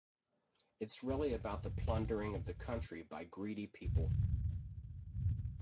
It's really about the plundering of the country by greedy people.